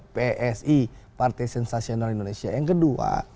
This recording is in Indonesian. psi partai sensasional indonesia yang kedua